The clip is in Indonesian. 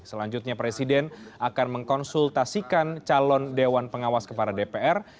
selanjutnya presiden akan mengkonsultasikan calon dewan pengawas kepada dpr